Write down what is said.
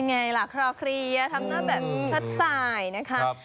เป็นอย่างไรล่ะครอคลีะทำหน้าแบบชัดสายนะครับ